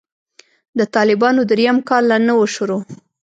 د طالبانو درېيم کال لا نه و شروع.